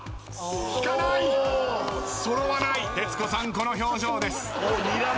この表情です。